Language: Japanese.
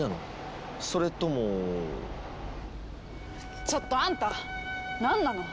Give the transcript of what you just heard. それともちょっとあんたなんなの？